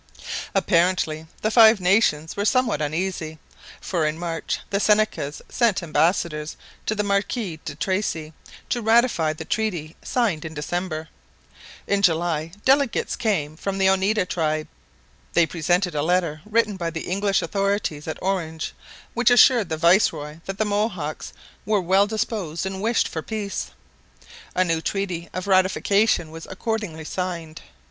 Apparently the Five Nations were somewhat uneasy, for in March the Senecas sent ambassadors to the Marquis de Tracy to ratify the treaty signed in December. In July delegates came from the Oneida tribe; they presented a letter written by the English authorities at Orange which assured the viceroy that the Mohawks were well disposed and wished for peace. A new treaty of ratification was accordingly signed.